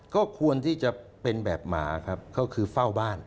ก็ควรที่จะเป็นแบบหมาครับก็คือเฝ้าบ้าน